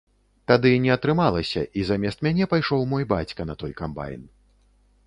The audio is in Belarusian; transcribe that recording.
Тады не атрымалася, і замест мяне пайшоў мой бацька на той камбайн.